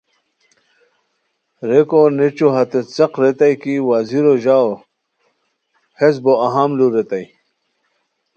ریکو نیچو ہتے څیق ریتائے کی وزیرو ژاؤو ہیس بو اہم لو ریتائے